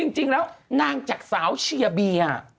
จริงแล้วนางจากสาวเชียร์เบียร์